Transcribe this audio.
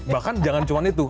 bahkan jangan cuma itu